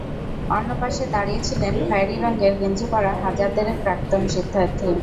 অন্য পাশে দাঁড়িয়ে ছিলেন খয়েরি রঙের গেঞ্জি পরা হাজার দেড়েক প্রাক্তন শিক্ষার্থী।